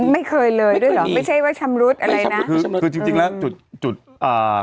ไม่เคยเลยด้วยเหรอไม่ใช่ว่าชำรุดอะไรนะคือจริงจริงแล้วจุดจุดอ่า